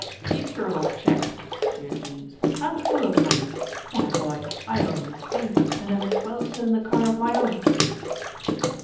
"Keep your old check," jeered Weems, "I'm full of money. Why, boy, I own an estate and have a twelve cylinder car of my own."